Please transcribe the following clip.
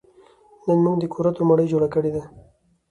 نن موږ د کورتو مړۍ جوړه کړې ده